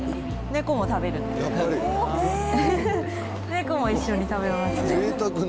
猫も一緒に食べますね。